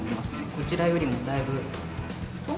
こちらよりもだいぶ。